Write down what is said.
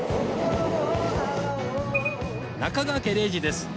中川家礼二です。